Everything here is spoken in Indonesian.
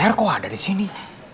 air ko ada di sini